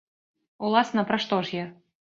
Уласна, пра што ж я?